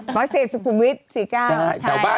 หมอเศษสุขุมวิทย์สี่ก้าว